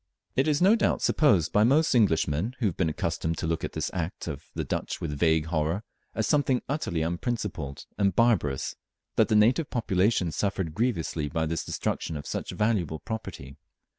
It is no doubt supposed by most Englishmen, who have been accustomed to look upon this act of the Dutch with vague horror, as something utterly unprincipled and barbarous, that the native population suffered grievously by this destruction of such valuable property.